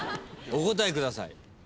お答えください。